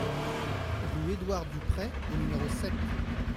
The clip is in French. Rue Édouard Dupray au numéro sept